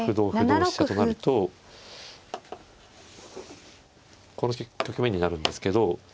同飛車となるとこの局面になるんですけど